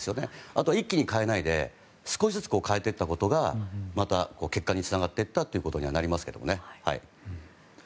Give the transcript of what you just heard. あとは一気に変えないで少しずつ変えていったことが結果につながったということになりますね。